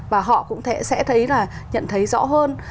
và họ cũng sẽ thấy là nhận thấy rõ hơn